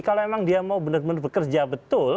kalau memang dia mau benar benar bekerja betul